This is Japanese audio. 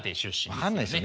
分かんないですよね